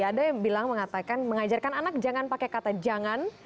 ada yang bilang mengatakan mengajarkan anak jangan pakai kata jangan